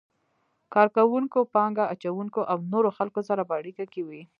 کار کوونکو، پانګه اچونکو او نورو خلکو سره په اړیکه کې وي.